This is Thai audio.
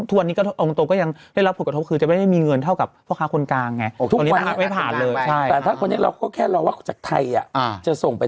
ทุกวันนี้ก็เอาตรงก็ยังได้รับผลกระทบคือจะไม่ได้มีเงินเท่ากับพ่อค้าคนกลางไง